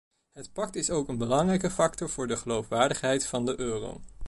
Het pact is ook een belangrijke factor voor de geloofwaardigheid van de euro.